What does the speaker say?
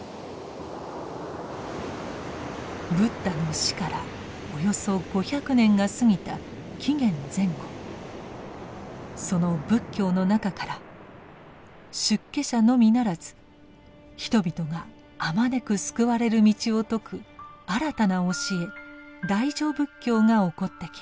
ブッダの死からおよそ５００年が過ぎた紀元前後その仏教の中から出家者のみならず人々があまねく救われる道を説く新たな教え「大乗仏教」が興ってきます。